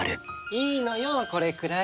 いいのよこれくらい。